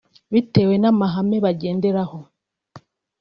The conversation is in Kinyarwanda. bitewe n’amahame bagenderaho